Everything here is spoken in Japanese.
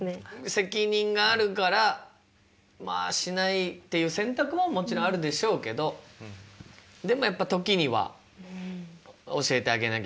責任があるからまあしないっていう選択ももちろんあるでしょうけどでもやっぱ時には教えてあげなきゃいけない時もあるというかね。